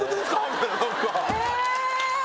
みたいななんか。